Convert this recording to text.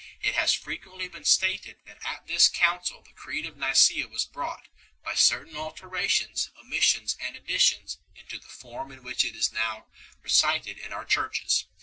It has frequently been stated that at this council the Creed of Nicaaa was brought, by certain alter ations, omissions and additions, into the form in which it is now recited in our churches.